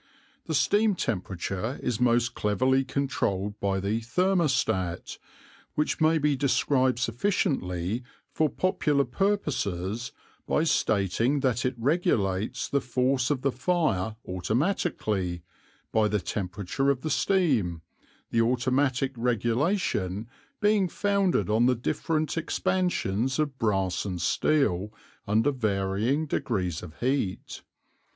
The steam temperature is most cleverly controlled by the "thermostat," which may be described sufficiently for popular purposes by stating that it regulates the force of the fire automatically by the temperature of the steam, the automatic regulation being founded on the different expansions of brass and steel under varying degrees of heat.